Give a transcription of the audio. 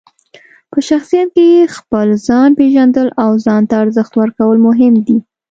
په شخصیت کې خپل ځان پېژندل او ځان ته ارزښت ورکول مهم دي.